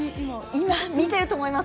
今、見てると思います。